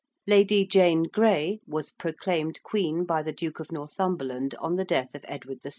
~Lady Jane Grey~ was proclaimed Queen by the Duke of Northumberland on the death of Edward VI.